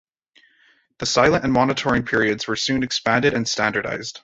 The silent and monitoring periods were soon expanded and standardized.